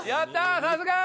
さすが！